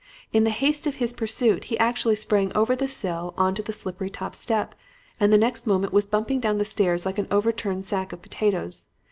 In the haste of his pursuit, he actually sprang over the sill on to the slippery top step, and the next moment was bumping down the stairs like an overturned sack of potatoes.